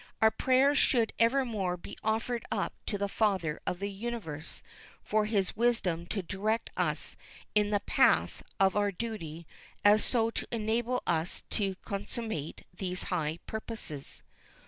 Our prayers should evermore be offered up to the Father of the Universe for His wisdom to direct us in the path of our duty so as to enable us to consummate these high purposes.